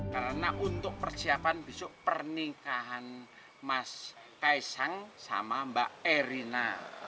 karena untuk persiapan besok pernikahan mas kaisang sama mbak erina